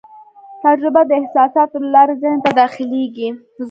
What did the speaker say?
تجربه د احساساتو له لارې ذهن ته داخلېږي.